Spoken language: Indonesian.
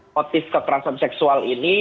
motif kekerasan seksual ini